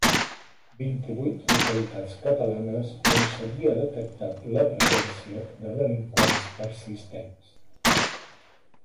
Vint-i-vuit localitats catalanes on s'havia detectat la presència de delinqüents persistents